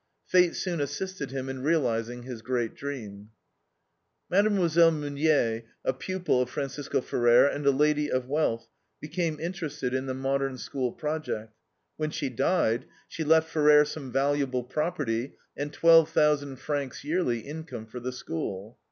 Fate soon assisted him in realizing his great dream. Mlle. Meunier, a pupil of Francisco Ferrer, and a lady of wealth, became interested in the Modern School project. When she died, she left Ferrer some valuable property and twelve thousand francs yearly income for the School.